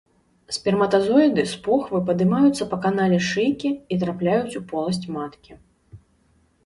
Сперматазоіды з похвы падымаюцца па канале шыйкі і трапляюць у поласць маткі.